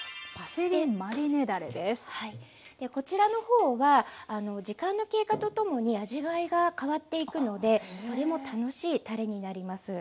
こちらの方は時間の経過とともに味わいが変わっていくのでそれも楽しいたれになります。